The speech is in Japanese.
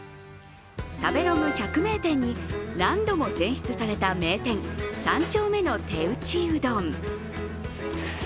食べログ百名店に何度も選出された名店・三丁目の手打うどん。